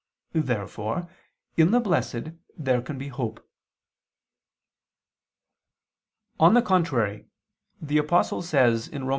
Therefore in the blessed there can be hope. On the contrary, The Apostle says (Rom.